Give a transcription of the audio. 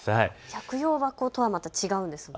百葉箱とはまた違うんです。